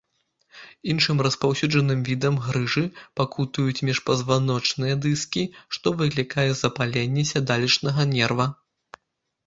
Іншым распаўсюджаным відам грыжы пакутуюць міжпазваночныя дыскі, што выклікае запаленне сядалішчнага нерва.